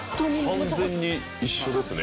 完全に一緒ですね。